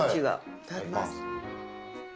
いただきます。